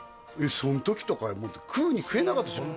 そん時とか食うに食えなかったでしょ？